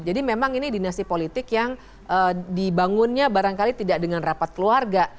jadi memang ini dinasti politik yang dibangunnya barangkali tidak dengan rapat keluarga